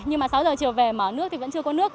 nhưng mà sáu giờ chiều về mở nước thì vẫn chưa có nước